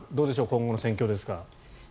今後の戦況ですが。